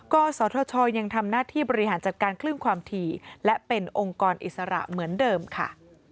กศธชยังทำหน้าที่บริหารจัดการคลื่นความถี่และเป็นองค์กรอิสระเหมือนเดิมค่ะ